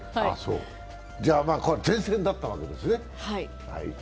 じゃあこれは善戦だったわけですね。